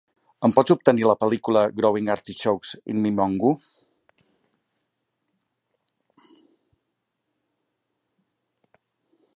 Em pots obtenir la pel·lícula Growing Artichokes in Mimongo?